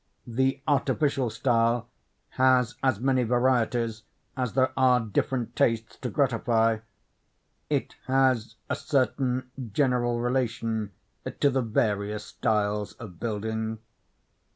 The artificial style has as many varieties as there are different tastes to gratify. It has a certain general relation to the various styles of building.